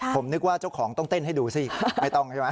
ผมนึกว่าเจ้าของต้องเต้นให้ดูสิไม่ต้องใช่ไหม